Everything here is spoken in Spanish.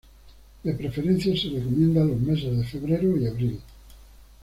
De preferencia se recomienda los meses de febrero y abril.